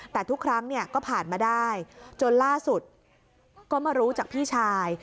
แต่ทุกครั้งเนี่ยก็ผ่านมาได้จนล่าสุดก็มารู้จากพี่ชาย